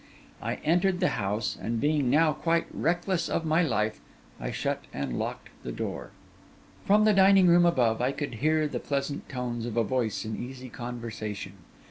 I entered the house; and being now quite reckless of my life, I shut and locked the door. From the dining room above I could hear the pleasant tones of a voice in easy conversation.